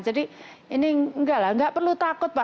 jadi enggak perlu takut pak